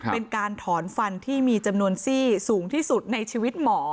เป็นการถอนฟันที่มีจำนวนซี่สูงที่สุดในชีวิตหมอ